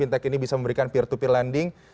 fintech ini bisa memberikan peer to peer lending